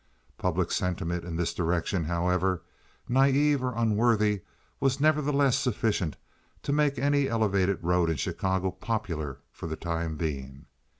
Public sentiment in this direction, however naive or unworthy, was nevertheless sufficient to make any elevated road in Chicago popular for the time being.